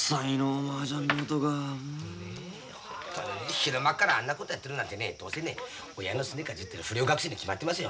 昼間っからあんなことやってるなんてねどうせね親のスネかじってる不良学生に決まってますよ。